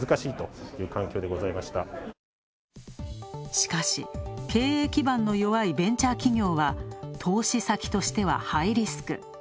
しかし、経営基盤の弱いベンチャー企業は、投資先としてはハイリスク。